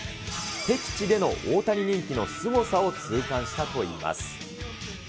敵地での大谷人気のすごさを痛感したといいます。